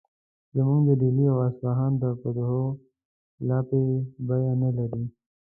زموږ د ډیلي او اصفهان د فتحو لاپې بیه نه لري.